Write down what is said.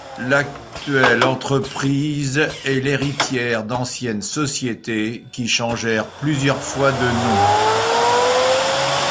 L'actuelle entreprise est l'héritière d'anciennes sociétés qui changèrent plusieurs fois de nom.